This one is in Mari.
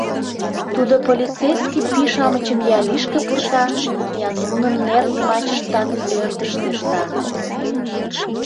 Тудо полицейский пий-шамычым я лишке пурта, я нунын нер йымачыштак ӧрдыш тӧршта...